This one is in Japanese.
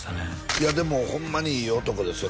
いやでもホンマにいい男ですよ